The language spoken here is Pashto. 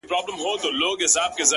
چا زر رنگونه پر جهان وپاشل چيري ولاړئ;